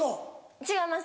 違います